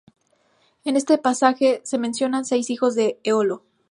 En este pasaje se mencionan seis hijos de Eolo.